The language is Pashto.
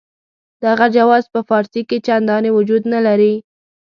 دغه جواز په فارسي کې چنداني وجود نه لري.